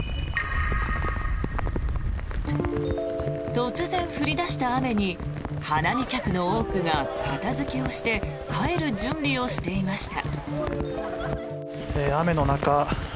突然降り出した雨に花見客の多くが片付けをして帰る準備をしていました。